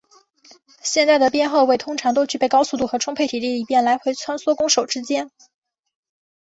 现代的边后卫通常都具备高速度和充沛体力以便来回穿梭攻守之间。